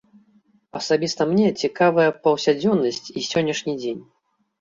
Асабіста мне цікавая паўсядзённасць і сённяшні дзень.